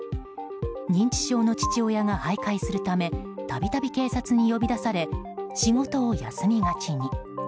認知症の父親が徘徊するため度々、警察に呼び出され仕事を休みがちに。